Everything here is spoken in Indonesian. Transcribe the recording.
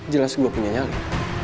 jelas gue punya nyali